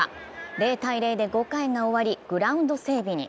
０−０で５回が終わり、グラウンド整備に。